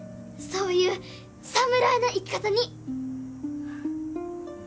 そういう侍の生き方に。